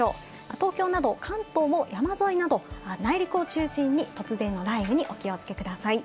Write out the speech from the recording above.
東京など関東も山沿いなど内陸を中心に突然の雷雨に、お気をつけください。